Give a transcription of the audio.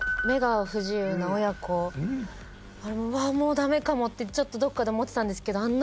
目が不自由な親子うわっもうダメかもってちょっとどっかで思ってたんですけど